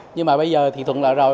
nhưng mà bây giờ thì thuận lợi rồi